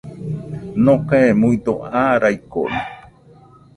Nokae muido aa raikono.